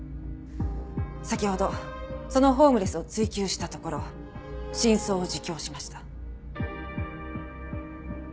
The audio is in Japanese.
先ほどそのホームレスを追及したところ真相を自供しました。